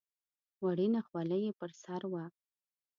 وړینه خولۍ یې پر سر وه.